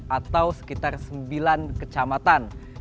atau sekitar sembilan kecamatan